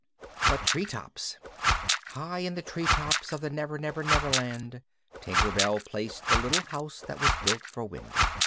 THE TREE TOPS High in the tree tops of the Never Never Never Land, Tinker Bell placed the little house that was built for Wendy.